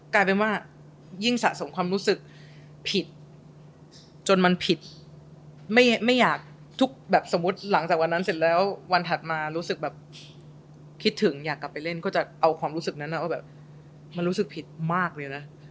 กลายเป็นว่ายิ่งสะสมความรู้สึกผิดจนมันผิดไม่อยากทุกแบบสมมุติหลังจากวันนั้นเสร็จแล้ววันถัดมารู้สึกแบบคิดถึงอยากกลับไปเล่นก็จะเอาความรู้สึกนั้นว่าแบบมันรู้สึกผิดมากเลยนะ